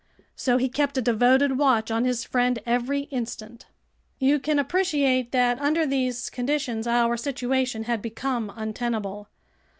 So he kept a devoted watch on his friend every instant. You can appreciate that under these conditions, our situation had become untenable.